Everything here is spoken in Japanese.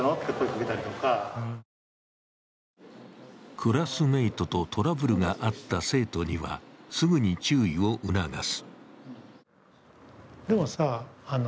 クラスメイトとトラブルがあった生徒には、すぐに注意を促す。